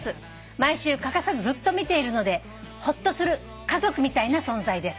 「毎週欠かさずずっと見ているのでほっとする家族みたいな存在です」